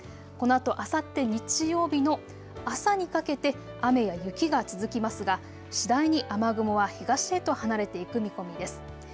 このあと、あさって日曜日の朝にかけて雨や雪が続きますが次第に雨雲は東へと離れていく見込みです。